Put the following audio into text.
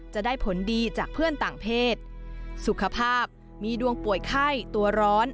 จะได้ผลดีจากเพื่อนต่างเพศสุขภาพมีดวงป่วยไข้ตัวร้อน